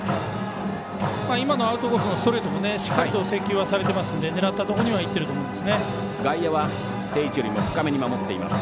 今のアウトコースのストレートもしっかりと制球はされていますので狙ったところにはいってると思います。